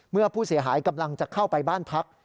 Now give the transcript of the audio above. เมื่อผู้เสียหายกำลังจะเข้าไปบ้านพัก